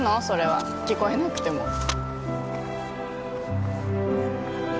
それは聞こえなくても